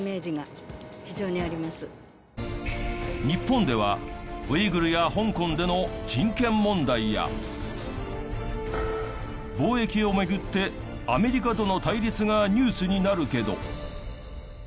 日本ではウイグルや香港での人権問題や貿易を巡ってアメリカとの対立がニュースになるけど。